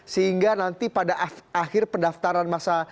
sehingga nanti pada akhir pendaftaran masa